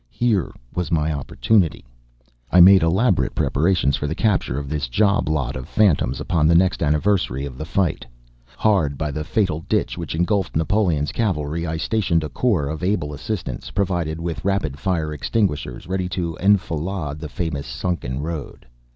Here was my opportunity. I made elaborate preparations for the capture of this job lot of phantoms upon the next anniversary of the fight. Hard by the fatal ditch which engulfed Napoleon's cavalry I stationed a corps of able assistants provided with rapid fire extinguishers ready to enfilade the famous sunken road.